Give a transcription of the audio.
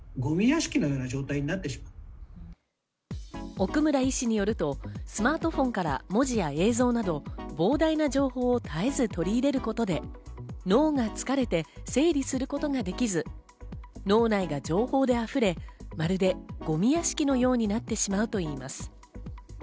奥村医師によると、スマートフォンから文字や映像など、膨大な情報を絶えず取り入れることで脳が疲れて整理することができず、脳内が情報で溢れ、まるでゴミ屋敷のようになってしまうといいます。